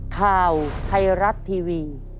ข่าวไทยรัฐทีวี